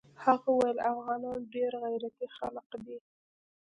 هغه ويل افغانان ډېر غيرتي خلق دي.